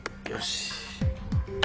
よし。